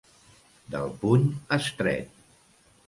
Del puny estret.